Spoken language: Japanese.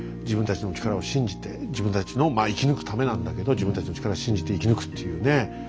自分たちの力を信じて自分たちのまあ生き抜くためなんだけど自分たちの力を信じて生き抜くっていうね。